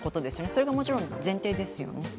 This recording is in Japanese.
それがもちろん前提ですよね。